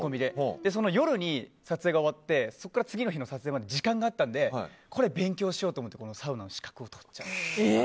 その夜に撮影が終わってそこから次の撮影まで時間があったのでこれは勉強しようと思ってサウナの資格を取りました。